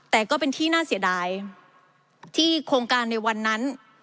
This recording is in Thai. แต่ก็เป็นที่น่าเสียดายที่โครงการในวันนั้น